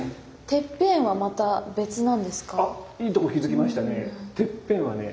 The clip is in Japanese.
てっぺんはねまた違う顔なんですよ。